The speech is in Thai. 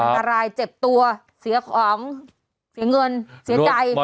อันตรายเจ็บตัวเสียของเสียเงินเสียใจ